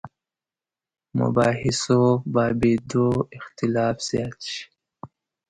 مباحثو بابېدو اختلاف زیات شي.